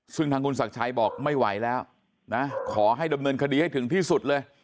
ซึ่งทางคุณศักดิ์ชัยบอกไม่ไหวแล้วนะขอให้ดำเนินคดีให้ถึงที่สุดเลย